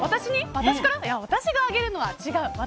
私があげるのは違う。